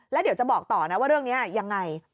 แล้วเดี๋ยวจะบอกต่อนะว่าเรื่องนี้ยังไง